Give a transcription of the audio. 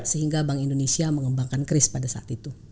sehingga bank indonesia mengembangkan kris pada saat itu